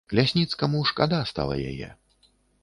Лясніцкаму шкада стала яе.